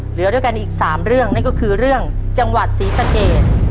เหลือด้วยกันอีก๓เรื่องนั่นก็คือเรื่องจังหวัดศรีสะเกด